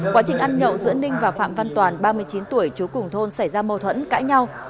quá trình ăn nhậu giữa ninh và phạm văn toàn ba mươi chín tuổi chú cùng thôn xảy ra mâu thuẫn cãi nhau